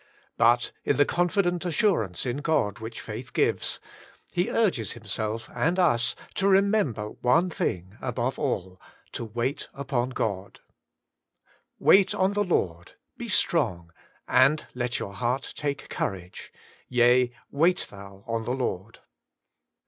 But in the confident assurance in God which faith gives, he urges himself and us ta remember one thing above all, — to wait upon God. *Wait on the Lord: be strong, and let your heart take courage : yea, wait thou on the Lord.